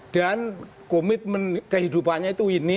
dan komitmen kehidupannya itu ini